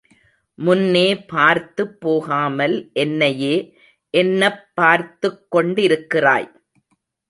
முன்னே பார்த்துப் போகாமல் என்னையே என்னப் பார்த்துக் கொண்டிருக்கிறாய்?